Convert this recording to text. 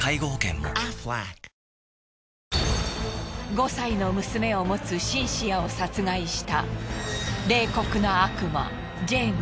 ５歳の娘を持つシンシアを殺害した冷酷な悪魔ジェームズ。